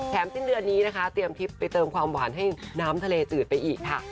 สิ้นเดือนนี้นะคะเตรียมทริปไปเติมความหวานให้น้ำทะเลจืดไปอีกค่ะ